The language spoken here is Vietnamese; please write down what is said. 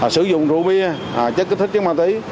sử dụng rượu bia chất kích thích chất ma tí